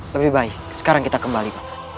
lebih baik sekarang kita kembali pak